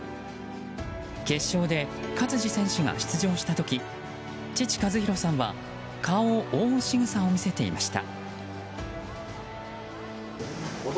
決勝で勝児選手が出場した時父・和博さんは顔を覆うしぐさを見せていました。